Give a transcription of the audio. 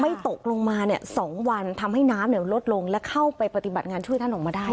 ไม่ตกลงมาเนี่ยสองวันทำให้น้ำเนี่ยลดลงแล้วเข้าไปปฏิบัติงานช่วยท่านออกมาได้ค่ะ